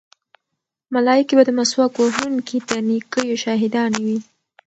ملایکې به د مسواک وهونکي د نیکیو شاهدانې وي.